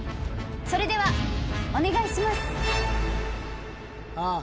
それではお願いします。